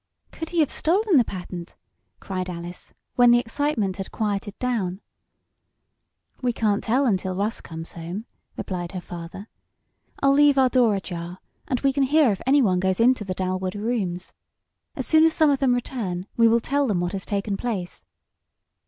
"Could he have stolen the patent?" cried Alice, when the excitement had quieted down. "We can't tell until Russ comes home," replied her father. "I'll leave our door ajar, and we can hear if anyone goes into the Dalwood rooms. As soon as some of them return we will tell them what has taken place."